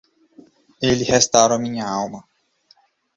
Ele restaura minha alma.